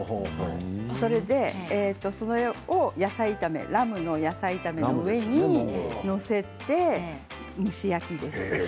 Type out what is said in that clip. それでそれを野菜炒め、ラムの野菜炒めの上に載せて蒸し焼きです。